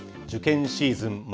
受験シーズン